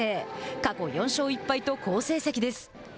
過去、４勝１敗と好成績です。